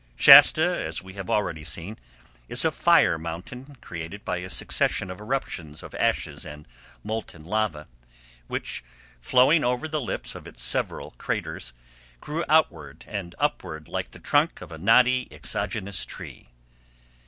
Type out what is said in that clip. Shasta, as we have already seen, is a fire mountain created by a succession of eruptions of ashes and molten lava, which, flowing over the lips of its several craters, grew outward and upward like the trunk of a knotty exogenous tree.